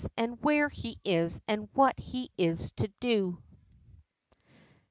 and where he is? and what he is to do?